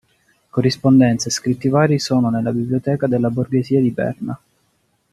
Corrispondenza e scritti vari sono nella Biblioteca della Borghesia di Berna.